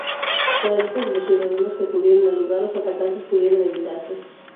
Con la ayuda de los ciudadanos que acudieron al lugar, los atacantes pudieron evitarse.